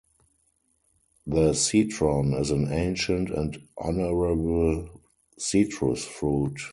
The citron is an ancient and honorable citrus fruit.